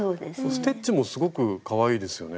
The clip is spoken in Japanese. ステッチもすごくかわいいですよね